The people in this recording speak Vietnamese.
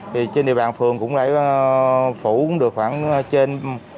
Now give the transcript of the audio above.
thì trên địa bàn phường cũng đã phủ được khoảng trên bốn mươi